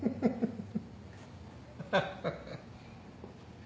ハハハハ。